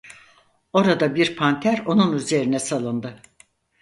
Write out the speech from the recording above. Orada bir panter onun üzerine salındı.